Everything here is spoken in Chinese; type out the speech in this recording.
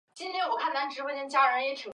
它的河道现会流经博格拉区内的废墟。